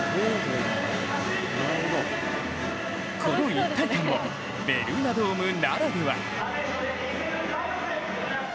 この一体感もベルーナドームならでは。